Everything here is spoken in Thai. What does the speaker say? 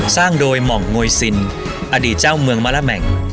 สร้างโดยหม่องโงยซินอดีตเจ้าเมืองมะละแม่ง